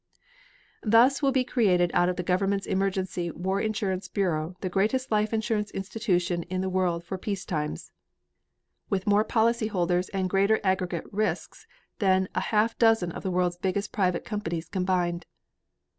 Thus will be created out of the government's emergency war insurance bureau the greatest life insurance institution in the world for peace times, with more policyholders and greater aggregate risks than a half dozen of the world's biggest private companies combined.